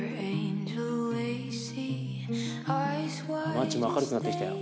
町も明るくなってきたよ。